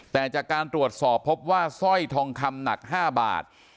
แต่จากการตรวจสอบพบว่าสร้อยทองคำหนัก๕บาท